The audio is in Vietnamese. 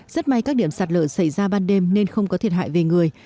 rất may các điểm sạt lở xảy ra ban đêm nên không có thiệt hại về người